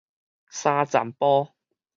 三層埔